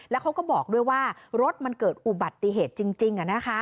แล้วเขาก็บอกด้วยว่ารถมันเกิดอุบัติเหตุจริง